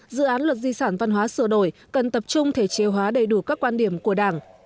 dự án luật di sản văn hóa sửa đổi cần tập trung thể chế hóa đầy đủ các quan điểm của đảng